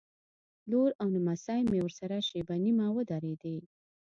لور او نمسۍ مې ورسره شېبه نیمه ودرېدې.